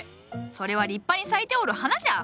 それは立派に咲いておる花じゃ！